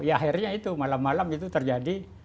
ya akhirnya itu malam malam itu terjadi